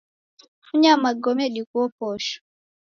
Funya magome dighuo posho